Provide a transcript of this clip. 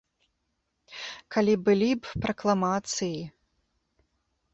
Калі былі б пракламацыі!